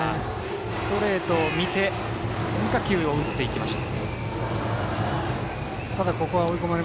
ストレートを見て変化球を打っていきました。